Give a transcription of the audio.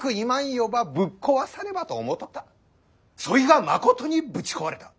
そいがまことにぶち壊れた。